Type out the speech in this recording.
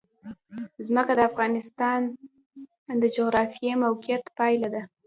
ځمکه د افغانستان د جغرافیایي موقیعت پایله ده.